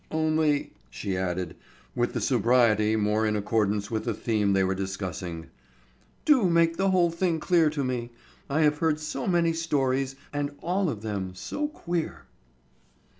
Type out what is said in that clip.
Only," she added, with the sobriety more in accordance with the theme they were discussing, "do make the whole thing clear to me. I have heard so many stories and all of them so queer."